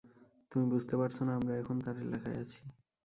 তুমি বুঝতে পারছো না আমরা এখন তার এলাকায় আছি।